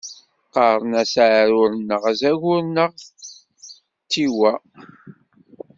Qqaren-as aɛrur neɣ azagur neɣ tiwwa.